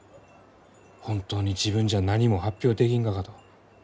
本当に自分じゃ何も発表できんがかと。